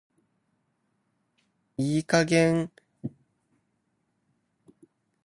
いい加減偽絵保マニ。